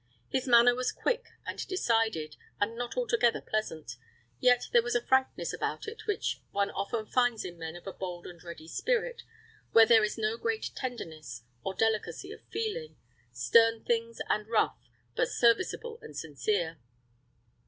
His manner was quick and decided, and not altogether pleasant, yet there was a frankness about it which one often finds in men of a bold and ready spirit, where there is no great tenderness or delicacy of feeling stern things and rough, but serviceable and sincere.